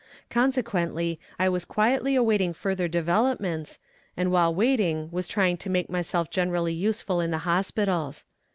Consequently I was quietly awaiting further developments, and while waiting was trying to make myself generally useful in the hospitals.